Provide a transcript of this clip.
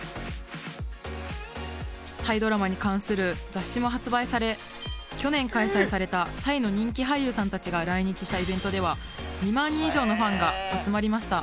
タイドラマに関する雑誌も発売され去年開催されたタイの人気俳優さんたちが来日したイベントには２万人以上のファンが集まりました。